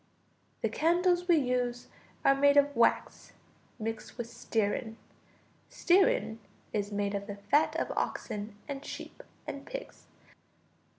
The candles we use are made of wax mixed with stearine. Stearine is made of the fat of oxen and sheep and pigs.